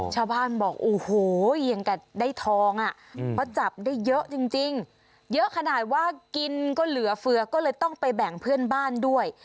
ชาวบ้านบอกโอ้โหอย่างกับได้ทองอ่ะเพราะจับได้เยอะจริงเยอะขนาดว่ากินก็เหลือเฟือก็เลยต้องไปแบ่งเพื่อนบ้านด้วย